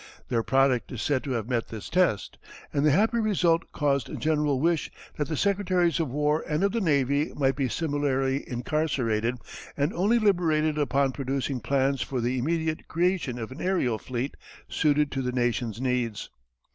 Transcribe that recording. Their product is said to have met this test, and the happy result caused a general wish that the Secretaries of War and of the Navy might be similarly incarcerated and only liberated upon producing plans for the immediate creation of an aërial fleet suited to the nation's needs.